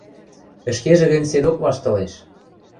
ӹшкежӹ гӹнь седок ваштылеш...